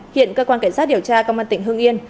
hiện cơ quan cảnh sát điều tra công an tỉnh hương yên